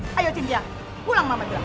saya akan beri perhatian kepada bapak